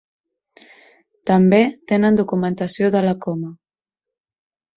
També tenen documentació de la Coma.